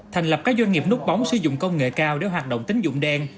thành lập các doanh nghiệp nút bóng sử dụng công nghệ cao để hoạt động tính dụng đen